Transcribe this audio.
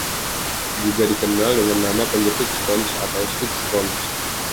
Juga dikenal dengan nama penjepit spons atau stik spons.